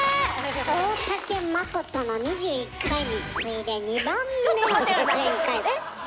大竹まことの２１回に次いで２番目の出演回数！